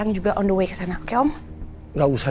enggak ketemu pak